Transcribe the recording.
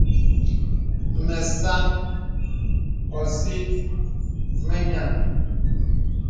Mə sàn ɔ̀sì mə nyàŋ.